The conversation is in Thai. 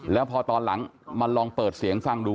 แล้วพอตอนหลังมาลองเปิดเสียงฟังดู